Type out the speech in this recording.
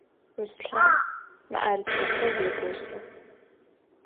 Руслъан мыӏэрысэхэр егощы.